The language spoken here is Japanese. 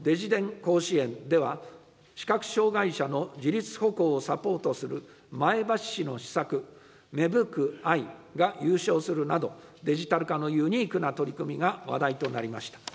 甲子園では、視覚障害者の自立歩行をサポートする前橋市の施策、めぶくＥＹＥが優勝するなど、デジタル化のユニークな取り組みが話題となりました。